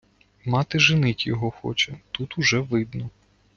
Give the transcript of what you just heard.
Мати женить його хоче, тут уже видно...